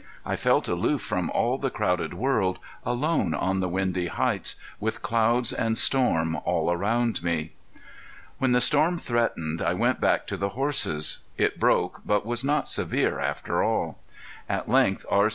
I felt aloof from all the crowded world, alone on the windy heights, with clouds and storm all around me. When the storm threatened I went back to the horses. It broke, but was not severe after all. At length R.